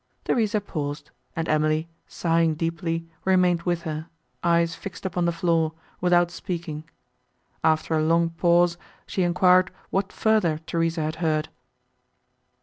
Theresa paused, and Emily, sighing deeply, remained with her eyes fixed upon the floor, without speaking. After a long pause, she enquired what further Theresa had heard.